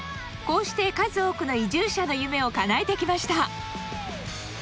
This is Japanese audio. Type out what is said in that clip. こうして数多くの移住者の夢をかなえてきました